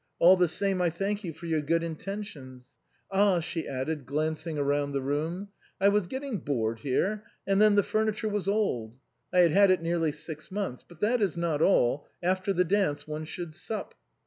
All the same I thank you for your good intentions. Ah !" she added, glancing round the room, " I was getting bored here, and then the furni ture was old. I had had it nearly six months. But that is not all, after the dance one should sup."